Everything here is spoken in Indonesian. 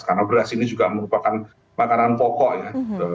karena beras ini juga merupakan makanan pokok ya